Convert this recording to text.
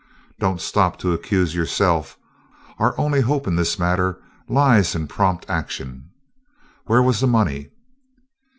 "Don't stop to accuse yourself. Our only hope in this matter lies in prompt action. Where was the money?"